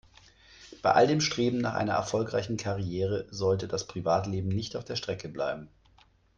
Bei all dem Streben nach einer erfolgreichen Karriere sollte das Privatleben nicht auf der Strecke bleiben.